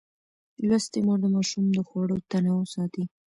لوستې مور د ماشوم د خوړو تنوع ساتي.